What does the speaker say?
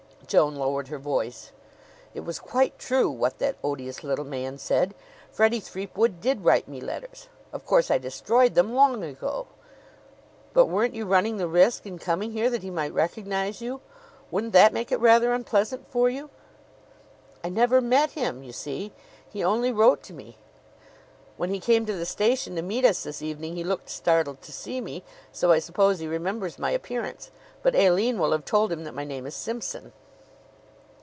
Joan lowered her voice. "It was quite true, what that odious little man said. Freddie Threepwood did write me letters. Of course I destroyed them long ago." "But weren't you running the risk in coming here that he might recognize you? Wouldn't that make it rather unpleasant for you?" "I never met him, you see. He only wrote to me. When he came to the station to meet us this evening he looked startled to see me; so I suppose he remembers my appearance. But Aline will have told him that my name is Simpson."